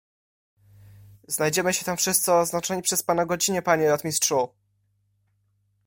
"Znajdziemy się tam wszyscy o oznaczonej przez pana godzinie, panie rotmistrzu!"